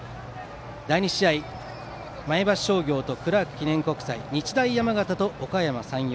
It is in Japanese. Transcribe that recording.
第２試合は前橋商業とクラーク記念国際日大山形とおかやま山陽。